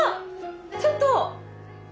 ちょっと！